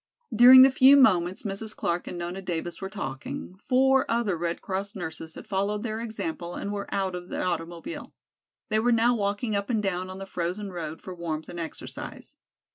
During the few moments Mrs. Clark and Nona Davis were talking, four other Red Cross nurses had followed their example and were out of the automobile. They were now walking up and down on the frozen road for warmth and exercise.